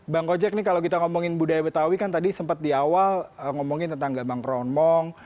bang kojek nih kalau kita ngomongin budaya betawi kan tadi sempat di awal ngomongin tentang gambang kronmong